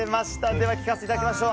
では聞かせていただきましょう。